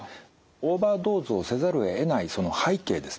オーバードーズをせざるをえないその背景ですね